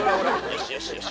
よしよしよし。